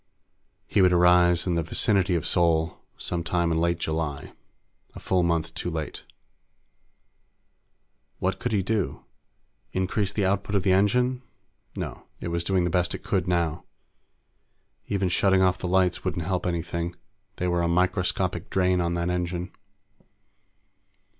He would arrive in the vicinity of Sol some time in late July a full month too late. What could he do? Increase the output of the engine? No. It was doing the best it could now. Even shutting off the lights wouldn't help anything; they were a microscopic drain on that engine.